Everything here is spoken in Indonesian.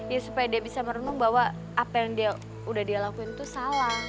ya supaya dia bisa merenung bahwa apa yang dia udah dia lakuin tuh salah